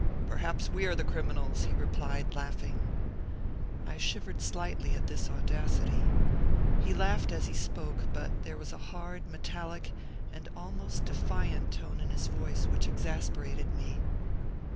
"Perhaps we are the criminals," he replied, laughing. I shivered slightly at this audacity. He laughed as he spoke, but there was a hard, metallic, and almost defiant tone in his voice which exasperated me.